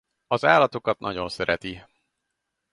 Az állatokat nagyon szereti.